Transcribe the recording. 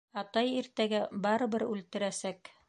Атай иртәгә барыбер үлтерәсәк!..